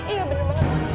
iya bener banget